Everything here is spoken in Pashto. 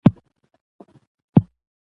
نه څوک يې خوړى نشي.